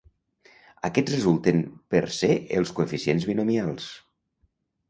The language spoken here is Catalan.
Aquests resulten per ser els coeficients binomials.